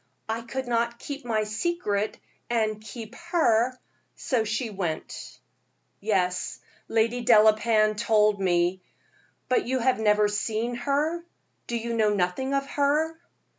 I could not keep my secret and keep her, so she went." "Yes, Lady Delapain told me; but have you never seen her? Do you know nothing of her?"